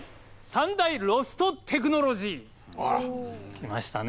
来ましたね。